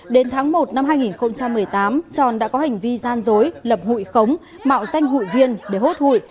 đến tháng một năm hai nghìn một mươi tám tròn đã có hành vi gian dối lập hủy khống mạo danh hủy viên để hút hủy